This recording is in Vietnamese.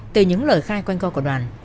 từ những lời khai quanh co của đoàn